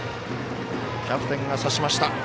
キャプテンが刺しました。